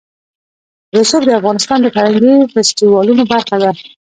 رسوب د افغانستان د فرهنګي فستیوالونو برخه ده.